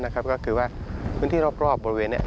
ก็คือว่าพื้นที่รอบบริเวณนี้